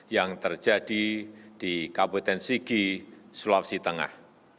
yang terjadi di kabupaten sigi sulawesi tengah